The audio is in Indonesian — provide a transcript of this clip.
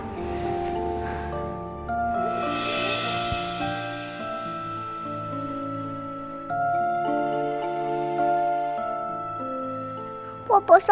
sampai jumpa naya